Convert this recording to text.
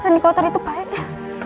berani kau tarik tuh baik ya